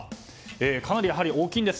かなり大きいんです。